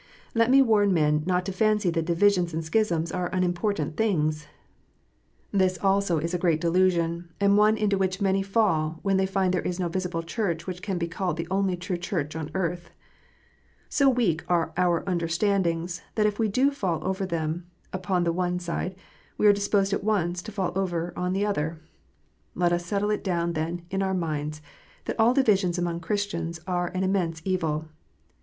Let me warn men not to fancy that divisions and schisms are unimportant things. This also is a great delusion, and one into which many fall, when they find there is no visible Church which can be called the only true Church on earth. So weak are our understandings, that if we do not fall over upon the one side, we are disposed at once to fall over on the other. Let us settle it down then in our minds that all divisions among Chris tians are an immense evil.